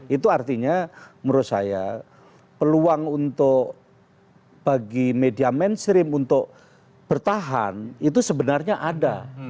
itu artinya menurut saya peluang untuk bagi media mainstream untuk bertahan itu sebenarnya ada